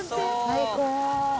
最高！